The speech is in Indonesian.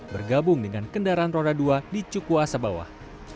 bergabung dengan kendaraan roda dua di cukuasa bawah